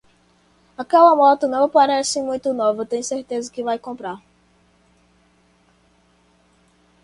Aquela moto não parece muito nova, tem certeza que vai comprar.